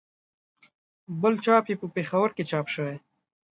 بل چاپ یې په پېښور کې چاپ شوی.